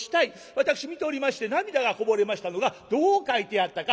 私見ておりまして涙がこぼれましたのがどう書いてあったか。